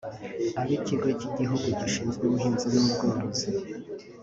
ab’ikigo cy’igihugu gishinzwe ubuhinzi n’ubworozi